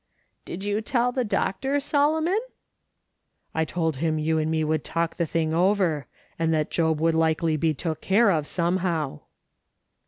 " Did you tell the doctor, Solomon ?" "I told him you and me would talk the thing over; and that Job would likely be took care of somehow."